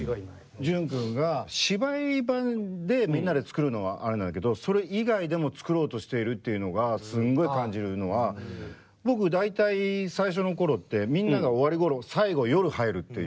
潤君が芝居場でみんなで作るのはあれなんだけどそれ以外でも作ろうとしているっていうのがすんごい感じるのは僕大体最初の頃ってみんなが終わる頃最後夜入るっていう。